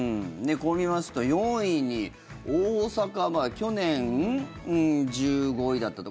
こう見ますと４位に大阪去年１５位だったと。